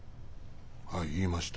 はい言いました。